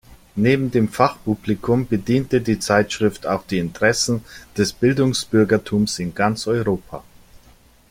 Neben dem Fachpublikum bediente die Zeitschrift auch die Interessen des Bildungsbürgertums in ganz Europa.